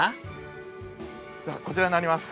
ではこちらになります。